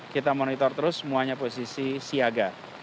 kita monitor terus semuanya posisi siaga